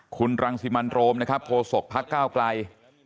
คุณรังสิมันโรมนะครับโคศกพักก้าวไกล